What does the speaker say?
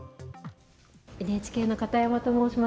ＮＨＫの片山と申します。